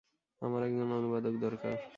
আমার একজন অনুবাদক দরকার।